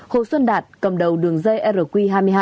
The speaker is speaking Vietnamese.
hồ xuân đạt cầm đầu đường dây rq hai mươi hai